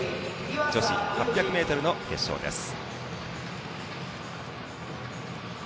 女子８００ｍの決勝でした。